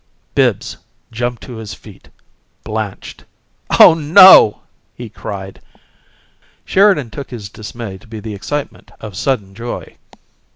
Bibbs jumped to his feet, blanched. "Oh no!" he cried. Sheridan took his dismay to be the excitement of sudden joy.